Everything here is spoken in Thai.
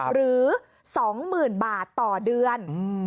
หรือ๒หมื่นบาทต่อเดือน